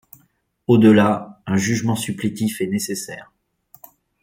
Au-delà, un jugement supplétif est nécessaire.